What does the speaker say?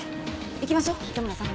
行きましょう糸村さん。